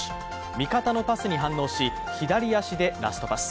見方のパスに反応し左足でラストパス。